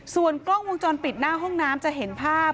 ส่วนกล้องวงจรปิดหน้าห้องน้ำจะเห็นภาพ